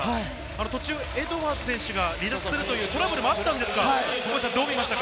途中、エドワーズ選手が離脱するというトラブルもありましたが。